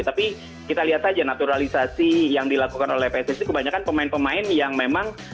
tapi kita lihat saja naturalisasi yang dilakukan oleh pssi kebanyakan pemain pemain yang memang